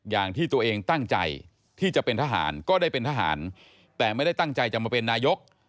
อย่างที่ตัวเองตั้งใจที่จะเป็นทหารก็ได้เป็นทหารแต่ไม่ได้ตั้งใจจะมาเป็นนายก